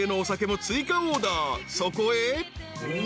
［そこへ］